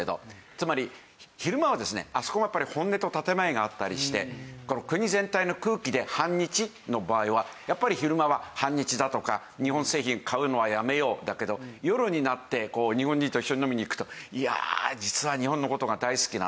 つまり昼間はですねあそこはやっぱり本音と建前があったりして国全体の空気で反日の場合はやっぱり昼間は反日だとか日本製品買うのはやめようだけど夜になって日本人と一緒に飲みに行くと「いや実は日本の事が大好きなんだよ」